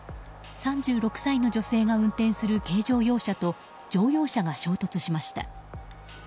３６歳の女性が運転する軽乗用車と乗用車が衝突しました。